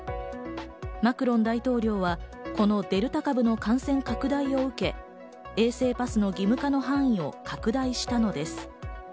マクロン大統領は、このデルタ株の感染拡大を受け衛生パスの義務化の範囲を拡大したのです。